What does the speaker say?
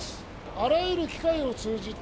あらゆる機会を通じて、